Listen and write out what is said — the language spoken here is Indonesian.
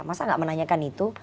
masa nggak menanyakan itu